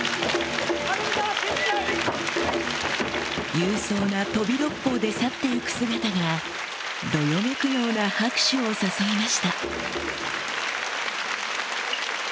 勇壮な飛び六方で去って行く姿がどよめくような拍手を誘いました